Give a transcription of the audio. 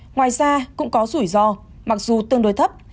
ngoài ra cũng có rủi ro mặc dù tương đối thấp